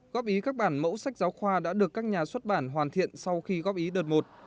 góp ý các bản mẫu sách giáo khoa đã được các nhà xuất bản hoàn thiện sau khi góp ý đợt một